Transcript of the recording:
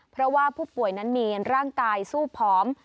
เพราะว่าผู้ป่วยนั้นมีร่างกายสู้ผอม